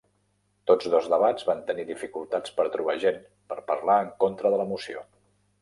Tots dos debats van tenir dificultats per trobar gent per parlar en contra de la moció.